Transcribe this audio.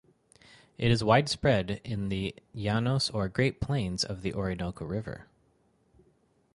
It is widespread in the Llanos or Great Plains of the Orinoco river.